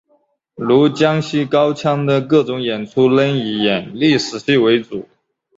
如江西高腔的各种演出仍以演历史戏为主。